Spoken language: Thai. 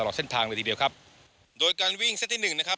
เส้นทางเลยทีเดียวครับโดยการวิ่งเส้นที่หนึ่งนะครับ